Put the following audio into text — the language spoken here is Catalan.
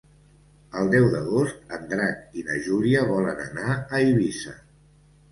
El deu d'agost en Drac i na Júlia volen anar a Eivissa.